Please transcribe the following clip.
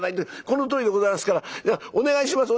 このとおりでございますからお願いします